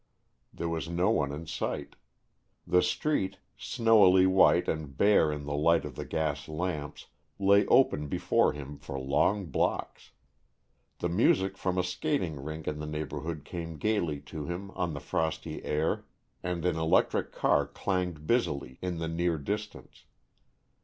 There was no one in sight. The street, snowily white and bare in the light of the gas lamps, lay open before him for long blocks. The music from a skating rink in the neighborhood came gayly to him on the frosty air and an electric car clanged busily in the near distance.